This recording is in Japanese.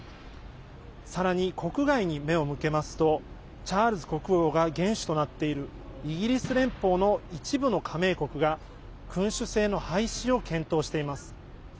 さらに国外に目を向けますとチャールズ国王が元首となっているイギリス連邦の一部の加盟国が君主制の廃止を検討しています。